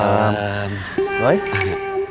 belanja cabai ya kum